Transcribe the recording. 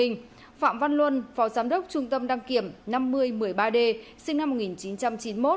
phạm văn luân phó giám đốc trung tâm đăng kiểm năm mươi một mươi ba d sinh năm một nghìn chín trăm chín mươi một